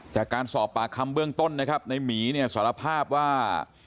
จากการสอบปากคำเบื้องต้นนะครับในหมีเนี่ยสารภาพว่า